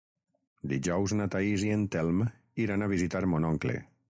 Dijous na Thaís i en Telm iran a visitar mon oncle.